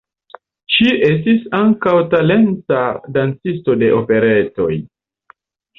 Ŝi estis ankaŭ talenta dancisto de operetoj.